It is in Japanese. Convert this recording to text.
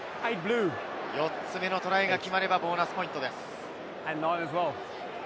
４つ目のトライが決まればボーナスポイントです。